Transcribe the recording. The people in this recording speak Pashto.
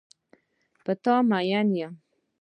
په تا مین یم.